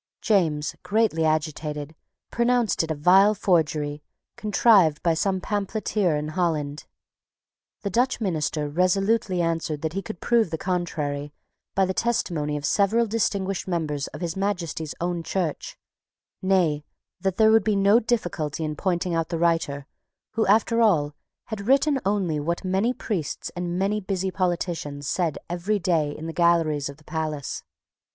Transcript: James, greatly agitated, pronounced it a vile forgery contrived by some pamphleteer in Holland. The Dutch minister resolutely answered that he could prove the contrary by the testimony of several distinguished members of His Majesty's own Church, nay, that there would be no difficulty in pointing out the writer, who, after all, had written only what many priests and many busy politicians said every day in the galleries of the palace.